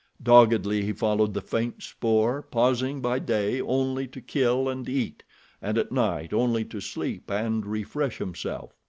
Doggedly he followed the faint spoor, pausing by day only to kill and eat, and at night only to sleep and refresh himself.